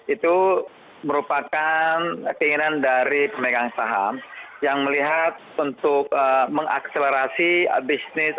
itu merupakan keinginan dari pemegang saham yang melihat untuk mengakselerasi bisnis